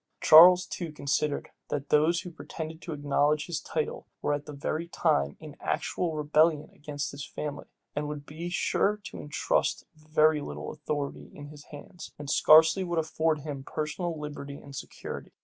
Charles too considered, that those who pretended to acknowledge his title, were at that very time in actual rebellion against his family, and would be sure to intrust very little authority in his hands, and scarcely would afford him personal liberty and security.